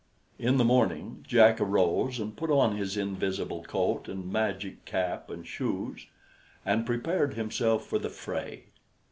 In the morning Jack arose and put on his invisible coat and magic cap and shoes, and prepared himself for the fray.